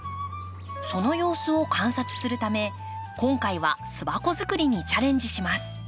その様子を観察するため今回は巣箱作りにチャレンジします。